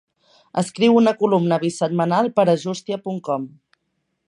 Escriu una columna bisetmanal per a justia punt com.